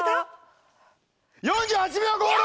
４８秒５６！